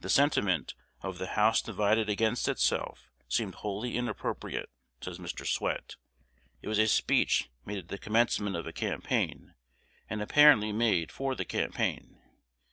"The sentiment of the 'house divided against itself' seemed wholly inappropriate," says Mr. Swett. "It was a speech made at the commencement of a campaign, and apparently made for the campaign.